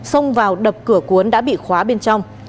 xông vào đập cửa cuốn đã bị khóa bên trong